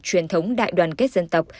truyền thống đại đoàn kết dân tộc